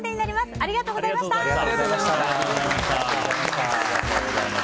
ありがとうございました。え？